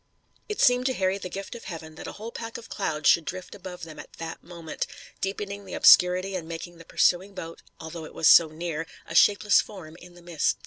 It seemed to Harry the gift of Heaven, that a whole pack of clouds should drift above them at that moment, deepening the obscurity and making the pursuing boat, although it was so near, a shapeless form in the mist.